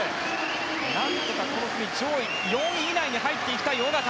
何とかこの組上位４位以内には入りたい小方。